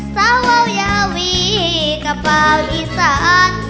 เซาเว้วยาวีกระเป๋าอีสาน